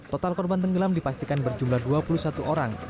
total korban tenggelam dipastikan berjumlah dua puluh satu orang